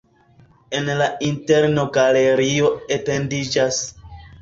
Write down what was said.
En la interno galerio etendiĝas.